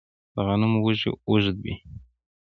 د غنمو وږی اوږد وي.